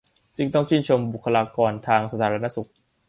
ซึ่งต้องชื่นชมบุคคลากรทางสาธารณสุข